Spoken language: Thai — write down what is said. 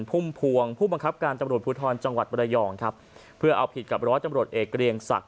พุ่มพวงผู้บังคับการตำรวจภูทรจังหวัดบรยองครับเพื่อเอาผิดกับร้อยตำรวจเอกเกรียงศักดิ